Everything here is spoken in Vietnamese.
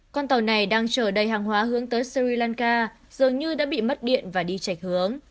con tàu này đang chở đầy hàng hóa hướng tới sri lanka dường như đã bị mất điện và đi chạch hướng